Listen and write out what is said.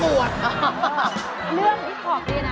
เรื่องฮีทขอบเจ๊นะ